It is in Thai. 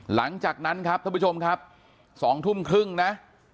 หลังจากนั้นครับท่านผู้ชมครับ๒ทุ่มครึ่งนะ